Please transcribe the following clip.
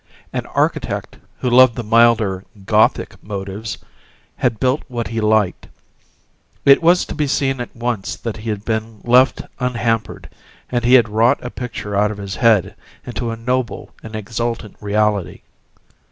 An architect who loved the milder "Gothic motives" had built what he liked: it was to be seen at once that he had been left unhampered, and he had wrought a picture out of his head into a noble and exultant reality.